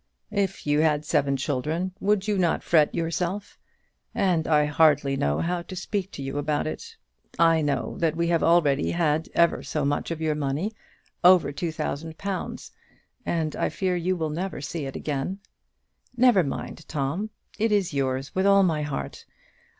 "If you had seven children, would not you fret yourself? And I hardly know how to speak to you about it. I know that we have already had ever so much of your money, over two thousand pounds; and I fear you will never see it again." "Never mind, Tom; it is yours, with all my heart.